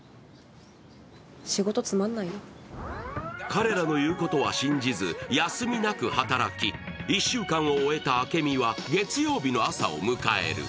彼らの言うことは信じず、休みなく働き、１週間を終えた朱海は月曜日の朝を迎える。